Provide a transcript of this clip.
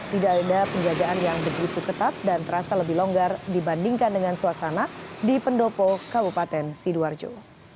tidak ada penjagaan yang begitu ketat dan terasa lebih longgar dibandingkan dengan suasana di pendopo kabupaten sidoarjo